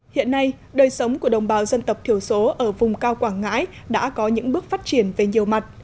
hiện nay đời sống của đồng bào dân tộc thiểu số ở vùng cao quảng ngãi đã có những bước phát triển về nhiều mặt